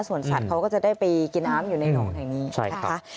ส่วนสัตว์เขาก็จะได้ไปกินน้ำอยู่ในหนองแห่งนี้นะคะ